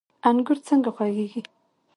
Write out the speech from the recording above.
انګور څنګه خوږیږي؟